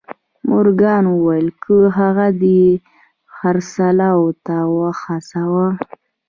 مورګان وویل که هغه دې خرڅلاو ته وهڅاوه